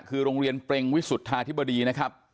คือโรงเรียนเปรงวิสุทธาธิบดีนะครับ